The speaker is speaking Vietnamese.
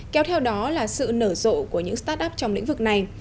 kéo theo đó là sự nở rộ của những start up trong lĩnh vực này